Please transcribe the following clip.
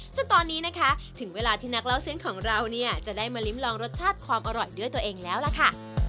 จนตอนนี้นะคะถึงเวลาที่นักเล่าเส้นของเราเนี่ยจะได้มาลิ้มลองรสชาติความอร่อยด้วยตัวเองแล้วล่ะค่ะ